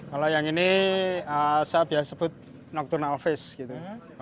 kalau yang ini saya biasa sebut nocturnal face gitu